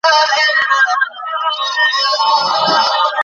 সবাই যেন সপ্তাহে একবার জিম করে, অন্তত একবার কন্ডিশনিং কোর্সটা করে।